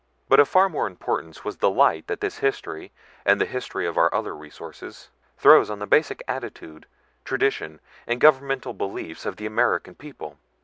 But of far more importance was the light that this history (and the history of our other resources) throws on the basic attitude, tradition and governmental beliefs of the American people.